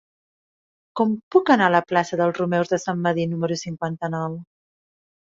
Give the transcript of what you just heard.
Com puc anar a la plaça dels Romeus de Sant Medir número cinquanta-nou?